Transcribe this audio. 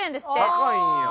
高いんや。